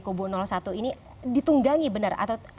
kubu satu ini ditunggangi benar atau